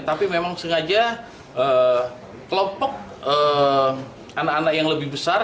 tapi memang sengaja kelompok anak anak yang lebih besar